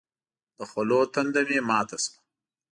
د خولو تنده مې ماته شوه.